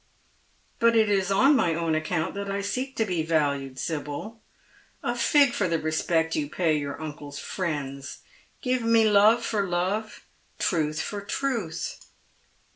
" But it is on my own account that I seek to be valued, Sibyl. A fig for the respect you pay your imcle's friends 1 Give me love for love, truth for truth."